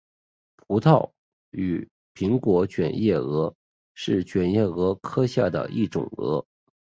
葡萄与苹果卷叶蛾是卷叶蛾科下的一种蛾。